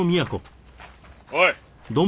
おい！